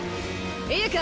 いいか？